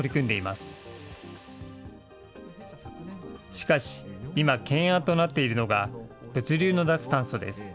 しかし、今、懸案となっているのが、物流の脱炭素です。